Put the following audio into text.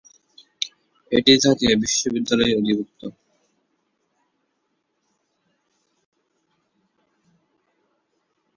এটি জাতীয় বিশ্ববিদ্যালয়ের অধিভুক্ত।